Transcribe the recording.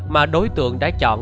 mà đối tượng đã chọn